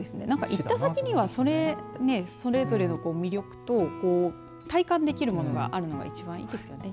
行った先には、それぞれの魅力と体感できるものがあるのが一番いいですよね。